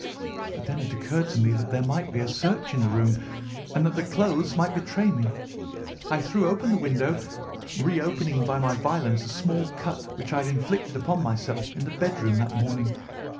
But then it occurred to me that there might be a search in the room, and that the clothes might betray me. I threw open the window, reopening by my violence a small cut which I had inflicted upon myself in the bedroom that morning.